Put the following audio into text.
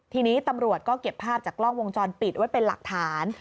ทีนี้ตำรวจก็เก็บภาพจากกล้องวงจรปิดไว้เป็นหลักฐาน